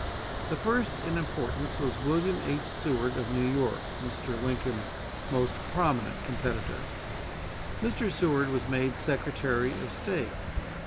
The first in importance was William H. Seward, of New York, Mr. Lincoln's most prominent competitor. Mr. Seward was made Secretary of State.